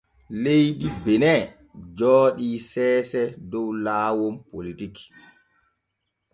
Leydi Benin jooɗi seese dow laawol politiiki.